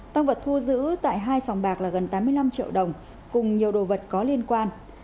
tăng vật thu giữ tại hai sòng bạc là gần tám mươi năm triệu đồng cùng nhiều đồ vật có liên quan